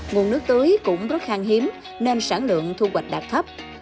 nguồn nước tưới cũng rất khang hiếm nên sản lượng thu hoạch đạt thấp